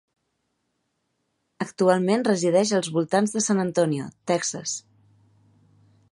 Actualment resideix als voltants de San Antonio, Texas.